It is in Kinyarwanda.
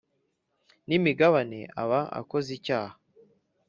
N imigabane aba akoze icyaha